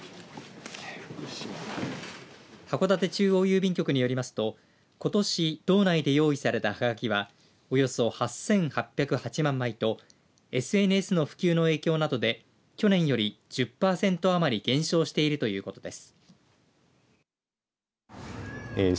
函館中央郵便局によりますとことし道内で用意されたはがきはおよそ８８０８万枚とＳＮＳの普及の影響などで去年より１０パーセント余り減少しているということです。